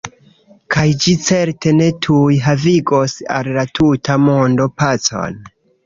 Kaj ĝi certe ne tuj havigos al la tuta mondo pacon.